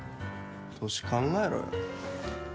年、考えろよ。